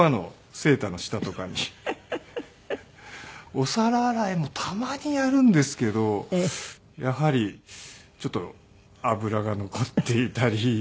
お皿洗いもたまにやるんですけどやはりちょっと油が残っていたり。